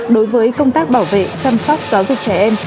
đối với công tác bảo vệ chăm sóc giáo dục trẻ em